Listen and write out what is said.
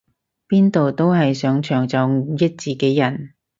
邊度都係上場就益自己人